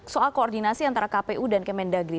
soal koordinasi antara kpu dan kemendagri